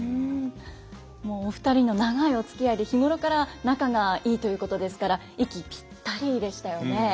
もうお二人の長いおつきあいで日頃から仲がいいということですから息ピッタリでしたよね。